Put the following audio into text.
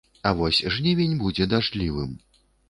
А вось жнівень будзе дажджлівым.